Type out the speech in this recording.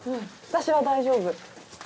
私は大丈夫。